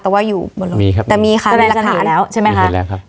แต่ว่าอยู่บนรถแต่มีค่ะมีหลักฐานแล้วใช่ไหมค่ะ